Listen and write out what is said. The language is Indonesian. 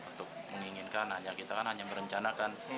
untuk menginginkan hanya kita kan hanya merencanakan